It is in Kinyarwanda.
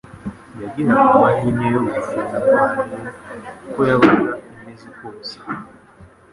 yagiraga amahimye yo gukira indwara ye uko yabaga imeze kose.